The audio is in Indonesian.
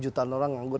jutaan orang menganggur